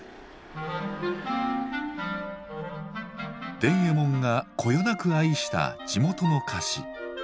伝右衛門がこよなく愛した地元の菓子。